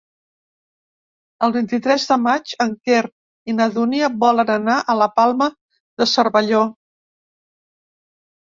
El vint-i-tres de maig en Quer i na Dúnia volen anar a la Palma de Cervelló.